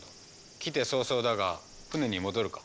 来て早々だが船に戻るか。